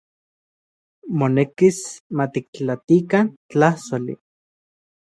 Monekis matiktlatikan tlajsoli.